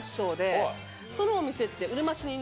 そのお店って。